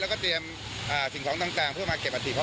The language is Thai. แล้วก็เตรียมสิ่งของต่างเพื่อมาเก็บอัฐ